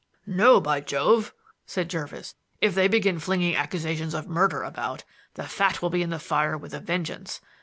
"No, by Jove!" said Jervis. "If they begin flinging accusations of murder about, the fat will be in the fire with a vengeance.